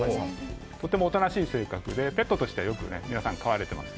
とてもおとなしい性格でペットとしてよく皆さん飼われています。